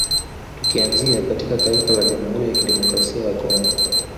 Tukianzia katika taifa la Jamhuri ya Kidemokrasaia ya Congo